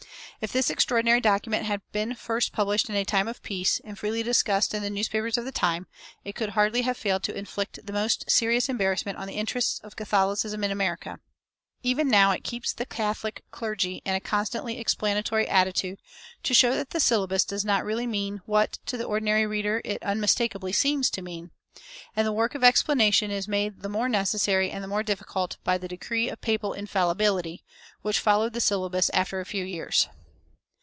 If this extraordinary document had been first published in a time of peace, and freely discussed in the newspapers of the time, it could hardly have failed to inflict the most serious embarrassment on the interests of Catholicism in America. Even now it keeps the Catholic clergy in a constantly explanatory attitude to show that the Syllabus does not really mean what to the ordinary reader it unmistakably seems to mean; and the work of explanation is made the more necessary and the more difficult by the decree of papal infallibility, which followed the Syllabus after a few years.